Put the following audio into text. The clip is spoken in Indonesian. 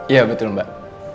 iya betul mbak